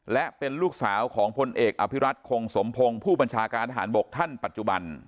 และเป็นลูกสาวของพลเอกอภิรัตคงสมพงศ์ผู้บัญชาการทหารบกท่านปัจจุบัน